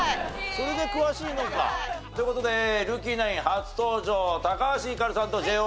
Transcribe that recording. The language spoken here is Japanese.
それで詳しいのか。という事でルーキーナイン初登場橋ひかるさんとＪＯ